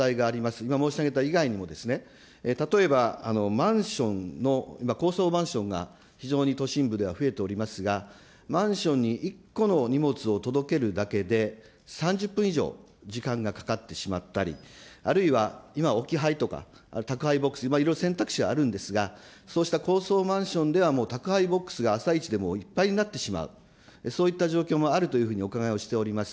今申し上げた以外にもですね、例えばマンションの今、高層マンションが非常に都心部では増えておりますが、マンションに１個の荷物を届けるだけで３０分以上、時間がかかってしまったり、あるいは今、置き配とか、宅配ボックス、いろいろ選択肢はあるんですが、そうした高層マンションではもう宅配ボックスが朝一で、もういっぱいになってしまう、そういった状況もあるというふうにお伺いをしております。